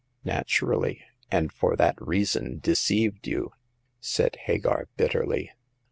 " Naturally ; and for that reason deceived you," said Hagar, bitterly.